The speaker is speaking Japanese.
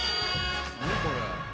何これ？